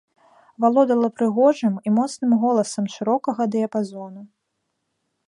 Валодала прыгожым і моцным голасам шырокага дыяпазону.